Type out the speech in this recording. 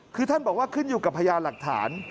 คือท่านบอกว่าขึ้นอยู่กับพยานหลักฐาน